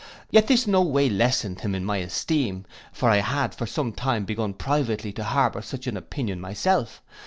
Yet this no way lessened him in my esteem; for I had for some time begun privately to harbour such an opinion myself.